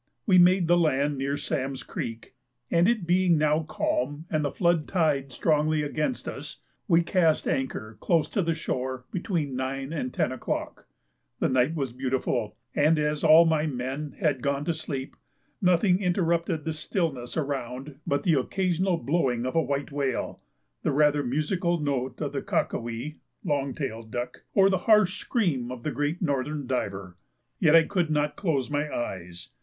We made the land near Sam's Creek; and it being now calm, and flood tide strong against us, we cast anchor close to the shore between 9 and 10 o'clock. The night was beautiful, and, as all my men had gone to sleep, nothing interrupted the stillness around but the occasional blowing of a white whale, the rather musical note of the "caca wee" (long tailed duck), or the harsh scream of the great northern diver. Yet I could not close my eyes.